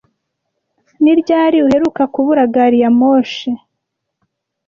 Ni ryari uheruka kubura gari ya moshi?